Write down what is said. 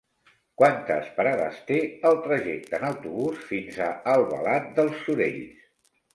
Quantes parades té el trajecte en autobús fins a Albalat dels Sorells?